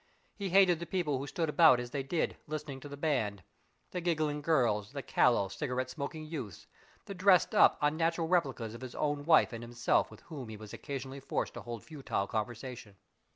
He hated the people who stood about as they did, listening to the band, the giggling girls, the callow, cigarette smoking youths, the dressed up, unnatural replicas of his own wife and himself, with whom he was occasionally forced to hold futile conversation.